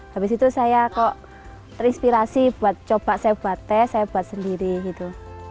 habis itu saya kok terinspirasi buat coba saya buat teh saya buat sendiri gitu